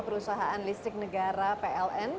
perusahaan listrik negara pln